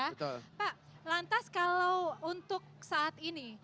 pak lantas kalau untuk saat ini